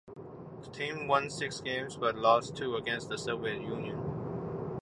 The team won six games, but lost two against the Soviet Union.